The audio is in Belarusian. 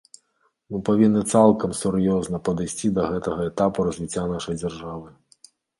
Мы павінны цалкам сур'ёзна падысці да гэтага этапу развіцця нашай дзяржавы.